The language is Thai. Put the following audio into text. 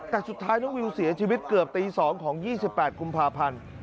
แต่สุดท้ายน้องวิวเสียชีวิตเกือบตี๒ของ๒๘กุมภาพันธ์